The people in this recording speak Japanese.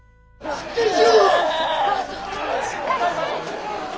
しっかりして！